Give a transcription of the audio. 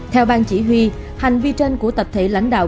theo bang chỉ huy hành vi trên của tập thể lãnh đạo